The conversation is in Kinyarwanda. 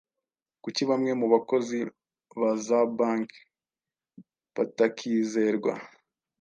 Kuki bamwe mu bakozi ba za banki batakizerwa